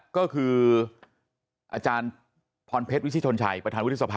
ก็คืออาจารย์พรเพชรวิชิชนชัยประธานวิทยาศาสตร์